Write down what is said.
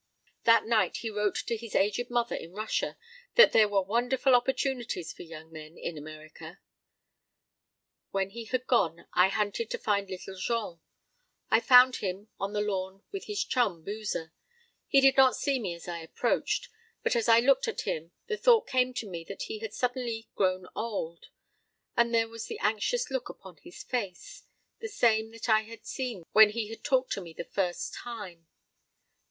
That night he wrote to his aged mother in Russia that there were wonderful opportunities for young men in America. When he had gone I hunted to find Little Jean. I found him out on the lawn with his chum, Boozer. He did not see me as I approached, but as I looked at him the thought came to me that he had suddenly grown old, and there was the anxious look upon his face the same that I had seen when he had talked to me the first time.